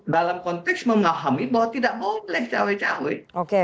dalam konteks memahami bahwa tidak boleh cawe cawe